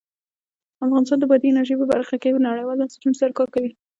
افغانستان د بادي انرژي په برخه کې نړیوالو بنسټونو سره کار کوي.